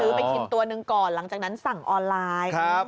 ไปกินตัวหนึ่งก่อนหลังจากนั้นสั่งออนไลน์